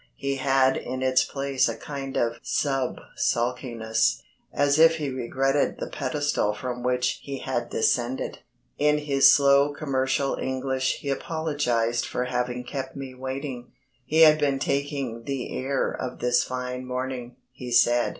He had in its place a kind of sub sulkiness, as if he regretted the pedestal from which he had descended. In his slow commercial English he apologised for having kept me waiting; he had been taking the air of this fine morning, he said.